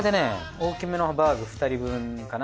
大きめのハンバーグ２人分かな。